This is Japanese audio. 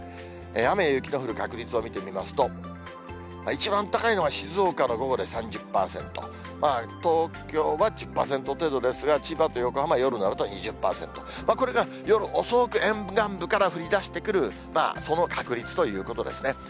雨や雪の降る確率を見てみますと、一番高いのが静岡の午後で３０％、東京は１０％程度ですが、千葉と横浜は、夜になると２０％、これが夜遅く、沿岸部から降りだしてくる、その確率ということですね。